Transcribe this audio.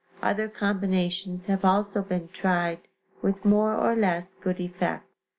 Other combinations have also been tried, with more or less good effect.